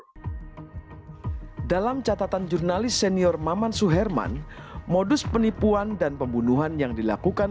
dalam catatan jurnalis senior maman suherman modus penipuan dan pembunuhan yang dilakukan